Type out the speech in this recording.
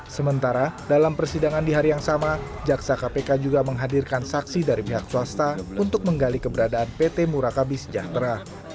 sementara dalam persidangan di hari yang sama jaksa kpk juga menghadirkan saksi dari pihak swasta untuk menggali keberadaan pt murakabi sejahtera